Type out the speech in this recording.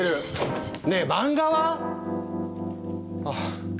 ねぇ漫画は⁉ああ。